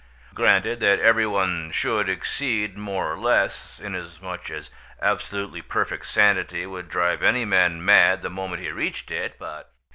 Granted that every one should exceed more or less, inasmuch as absolutely perfect sanity would drive any man mad the moment he reached it, but